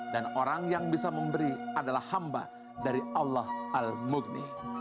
dan orang yang bisa memberi adalah hamba dari allah al mughni